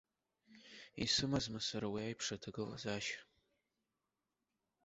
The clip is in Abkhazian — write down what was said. Исымазма сара уи аиԥш аҭагылазаашьа?